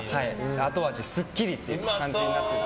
後味すっきりという感じになってて。